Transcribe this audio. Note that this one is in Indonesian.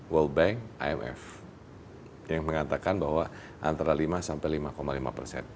world bank imf yang mengatakan bahwa antara lima sampai lima lima persen